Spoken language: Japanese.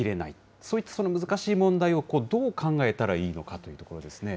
そういった難しい問題を、どう考えたらいいのかというところですね。